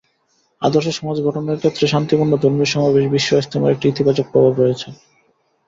আদর্শ সমাজ গঠনের ক্ষেত্রে শান্তিপূর্ণ ধর্মীয় সমাবেশ বিশ্ব ইজতেমার একটি ইতিবাচক প্রভাব রয়েছে।